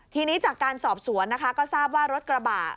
ทีนี้จากการสอบสวนนะคะก็ทราบว่ารถกระบะ